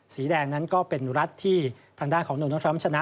สีแดงนั้นก็เป็นรัฐที่ทางด้านของโดนัลดทรัมป์ชนะ